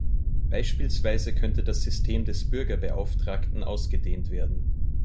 Beispielsweise könnte das System des Bürgerbeauftragten ausgedehnt werden.